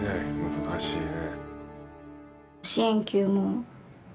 難しいね。